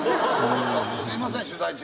すいません取材中。